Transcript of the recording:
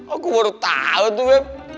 aku baru tau tuh beb